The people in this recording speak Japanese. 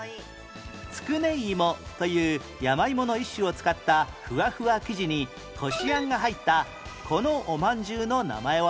つくね芋という山芋の一種を使ったふわふわ生地にこしあんが入ったこのおまんじゅうの名前は？